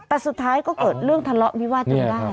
แต่สุดท้ายก็เกิดเรื่องทะเลาะวิวาสจนได้